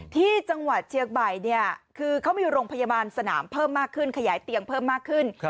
ที่จังหวัดเชียงใหม่เนี่ยคือเขามีโรงพยาบาลสนามเพิ่มมากขึ้นขยายเตียงเพิ่มมากขึ้น